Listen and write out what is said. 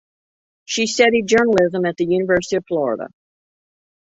She studied journalism at the University of Florida.